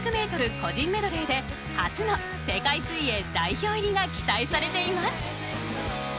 個人メドレーで初の世界水泳代表入りが期待されています。